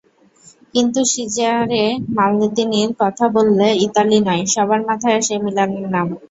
কিন্তু সিজারে মালদিনির কথা বললে ইতালি নয়, সবার মাথায় আসে মিলানের নাম।